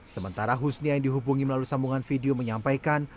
sementara husnia yang dihubungi melalui sambungan video menyampaikan